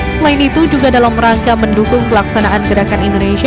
selain itu juga dalam rangka mendukung pelaksanaan gerakan indonesia